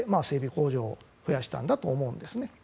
工場を増やしたんだと思うんですね。